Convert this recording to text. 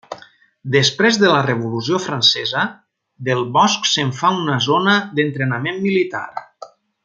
Després de la Revolució Francesa, del bosc se'n fa una zona d'entrenament militar.